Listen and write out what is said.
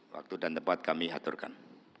waktu dan tepat kami aturkan